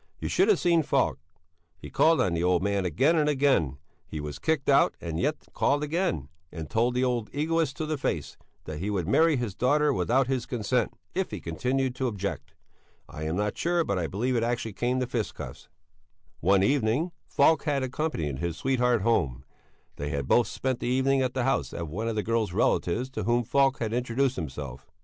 You should have seen Falk! He called on the old man again and again; he was kicked out, and yet he called again and told the old egoist to the face that he would marry his daughter without his consent, if he continued to object. I am not sure, but I believe it actually came to fisticuffs. One evening Falk had accompanied his sweetheart home. They had both spent the evening at the house of one of the girl's relatives to whom Falk had introduced himself.